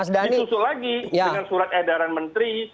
disusul lagi dengan surat edaran menteri